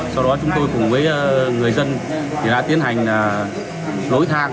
sau đó chúng tôi cùng với người dân đã tiến hành nối thang